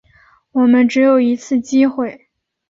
我们只有一次机会